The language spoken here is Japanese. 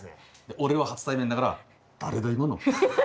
俺は初対面だから「誰だ？今の」。